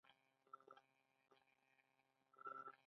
د اخترونو بازار تود وي